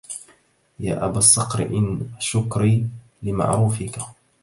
يا أبا الصقر إن شكري لمعروفك